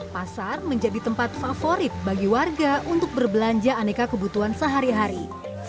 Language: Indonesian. pasar menjadi tempat favorit bagi warga untuk berbelanja aneka kebutuhan sehari hari